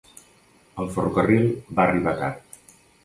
El ferrocarril va arribar tard.